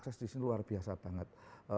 tes di sini luar biasa banget